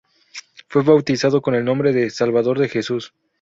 Fue bautizado con el nombre de Salvador de Jesús.